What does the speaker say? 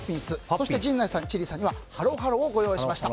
そして陣内さん、千里さんにはハロハロをご用意しました。